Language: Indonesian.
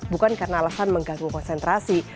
bukan karena alasan mengganggu konsentrasi